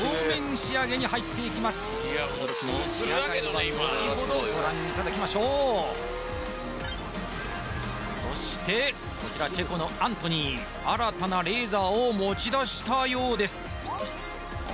仕上がりはのちほどご覧いただきましょうそしてこちらチェコのアントニー新たなレーザーを持ち出したようですああ